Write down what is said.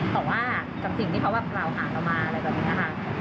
แต่ว่ากับสิ่งที่เขาเหมาะหาเรามาเลยกว่านี้ค่ะ